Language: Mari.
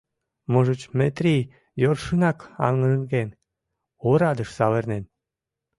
Можыч, Метрий йӧршынак аҥырген, орадыш савырнен?